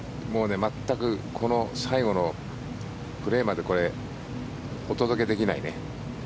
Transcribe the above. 全くこの最後のプレーまでお届けできないね。